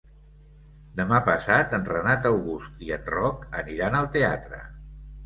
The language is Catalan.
Demà passat en Renat August i en Roc aniran al teatre.